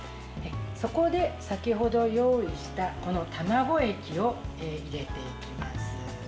そこで先ほど用意した卵液を入れていきます。